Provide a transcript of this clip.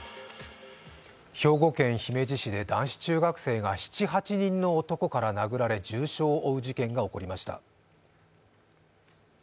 兵庫県姫路市で男子中学生が７８人の男から殴られ、重傷を負う事件が起こりました。